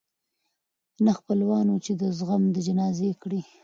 نه خپلوان وه چي دي غم د جنازې کړي